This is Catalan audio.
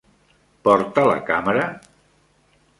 Porta la càmera?